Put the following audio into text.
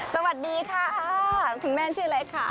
สวัสดีค่ะคุณแม่ชื่อเล็กค่ะ